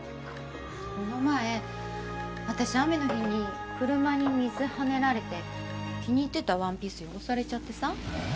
この前私雨の日に車に水はねられて気に入ってたワンピース汚されちゃってさえっ